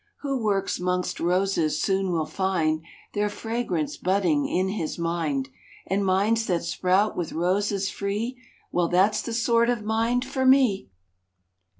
Who works mongst roses soon will find Their fragrance budding in his mind, And minds that sprout with roses free Well, that s the sort of mind for me